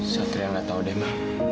satria nggak tahu deh mah